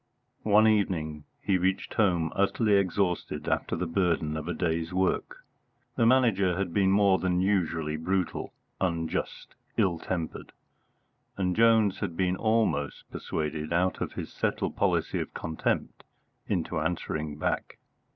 One evening he reached home utterly exhausted after the burden of the day's work. The Manager had been more than usually brutal, unjust, ill tempered, and Jones had been almost persuaded out of his settled policy of contempt into answering back.